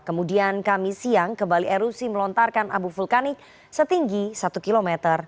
kemudian kami siang kembali erupsi melontarkan abu vulkanik setinggi satu km